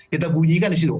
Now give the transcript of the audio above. kita bunyikan disitu